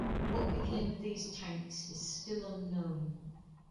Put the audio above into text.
What became of these tanks is still unknown.